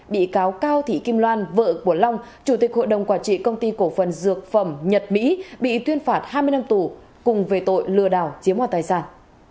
bị cáo cao thị kim loan vợ của long chủ tịch hội đồng quản trị công ty cổ phần dược phẩm nhật mỹ bị tuyên phạt hai mươi năm tù cùng về tội lừa đảo chiếm hòa tài sản